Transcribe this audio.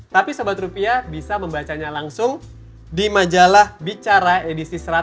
tapi sahabat rupiah bisa membacanya langsung di majalah bicara edisi seratus